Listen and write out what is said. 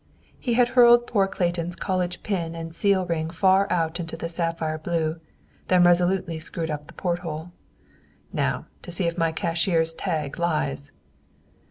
He had hurled poor Clayton's college pin and seal ring far out into the sapphire blue, and then resolutely screwed up the porthole. "Now to see if my cashier's tag lies!"